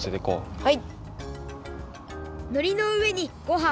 はい！